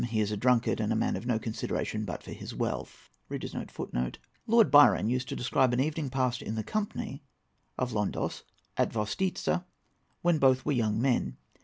He is a drunkard, and a man of no consideration but for his wealth.[A] [Footnote A: Lord Byron used to describe an evening passed in the company of Londos at Vostitza, when both were young men.